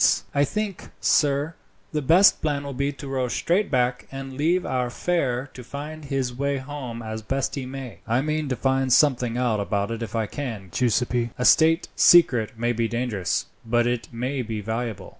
"I think, sir, the best plan will be to row straight back, and leave our fare to find his way home as best he may." "I mean to find something out about it if I can, Giuseppi. A state secret may be dangerous, but it may be valuable.